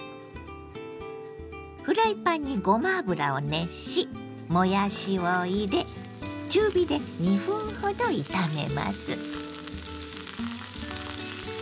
フライパンにごま油を熱しもやしを入れ中火で２分ほど炒めます。